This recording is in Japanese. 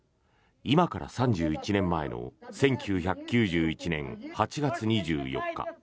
今から３１年前の１９９１年８月２４日